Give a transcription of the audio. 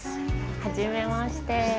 はじめまして。